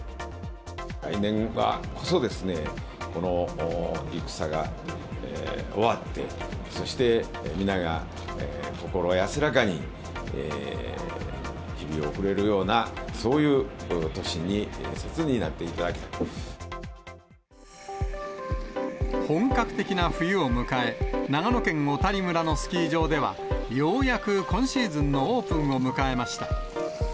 来年こそは、この戦が終わって、そして皆が心安らかに日々を送れるような、そういう年になって、本格的な冬を迎え、長野県小谷村のスキー場では、ようやく今シーズンのオープンを迎えました。